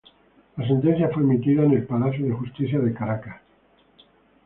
La sentencia fue emitida en el Palacio de Justicia de Caracas.